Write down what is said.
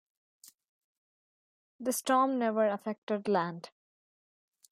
The storm never affected land.